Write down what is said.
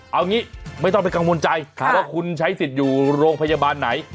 เอางี้ไม่ต้องไปกังวลใจว่าคุณใช้สิทธิ์อยู่โรงพยาบาลไหน